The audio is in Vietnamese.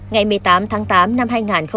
ngày một mươi tám tháng tám năm hai nghìn một mươi ba